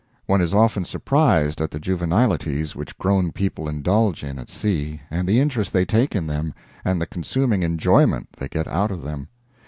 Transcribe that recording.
One is often surprised at the juvenilities which grown people indulge in at sea, and the interest they take in them, and the consuming enjoyment they get out of them.